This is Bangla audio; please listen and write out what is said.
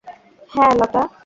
হ্যাঁ, লতা।